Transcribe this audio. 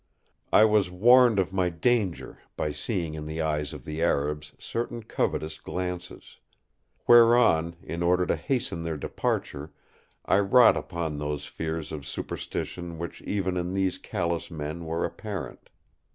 I was warned of my danger by seeing in the eyes of the Arabs certain covetous glances. Whereon, in order to hasten their departure, I wrought upon those fears of superstition which even in these callous men were apparent.